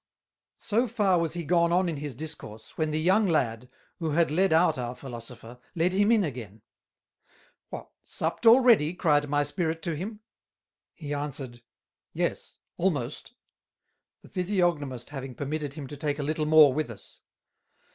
So far was he gone on in his Discourse, when the young Lad, who had led out our Philosopher, led him in again; "What, Supped already?" cryed my Spirit to him. He answered, yes, almost: The Physiognomist having permitted him to take a little more with us.